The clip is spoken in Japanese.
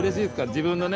自分のね